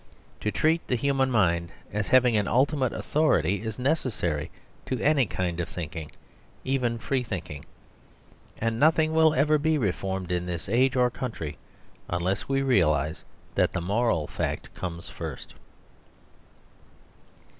To treat the human mind as having an ultimate authority is necessary to any kind of thinking, even free thinking. And nothing will ever be reformed in this age or country unless we realise that the moral fact comes first.